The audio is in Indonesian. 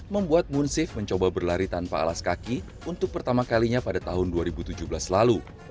membuat munsif mencoba berlari tanpa alas kaki untuk pertama kalinya pada tahun dua ribu tujuh belas lalu